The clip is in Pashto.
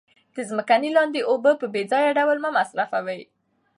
د ځمکې لاندې اوبه په بې ځایه ډول مه مصرفوئ.